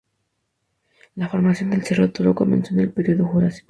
La formación del Cerro Toro comenzó en el período jurásico.